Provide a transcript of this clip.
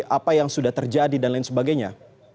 apa yang sudah terjadi dan lain sebagainya